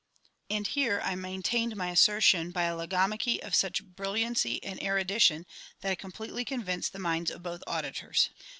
[_And here I maintained my assertion by a logomachy of such brilliancy and erudition that I completely convinced the minds of both auditors.